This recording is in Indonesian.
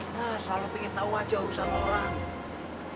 nah selalu pingin tau aja urusan orang